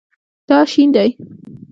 دا شین دی